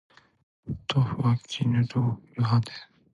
豆腐は絹豆腐派です